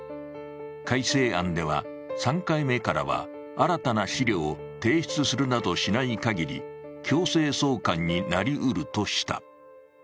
改正案では、３回目からは新たな資料を提出するなどしない限り、強制送還になりうるとした。